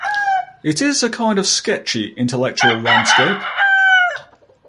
It is a kind of sketchy intellectual landscape.